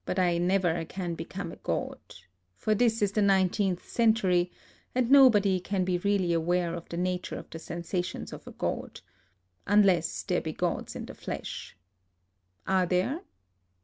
But I never can become a god, — for this is the nineteenth century ; and nobody can be really aware of the nature of the sensations of a god — unless there be gods in the flesh. Are there